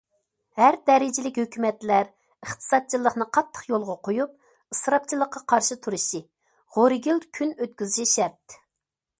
ھەر دەرىجىلىك ھۆكۈمەتلەر ئىقتىسادچىللىقنى قاتتىق يولغا قويۇپ، ئىسراپچىلىققا قارشى تۇرۇشى، غورىگىل كۈن ئۆتكۈزۈشى شەرت.